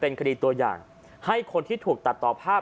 คดีตัวอย่างให้คนที่ถูกตัดต่อภาพ